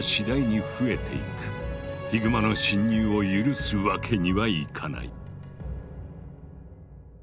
ヒグマの侵入を許すわけにはいかない。